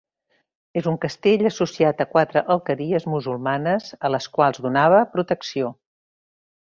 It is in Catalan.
És un castell associat a quatre alqueries musulmanes, a les quals donava protecció.